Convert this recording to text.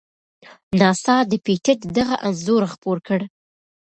ناسا د پېټټ دغه انځور خپور کړ.